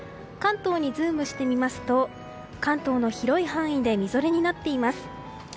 関東にズームしてみますと関東の広い範囲でみぞれになっています。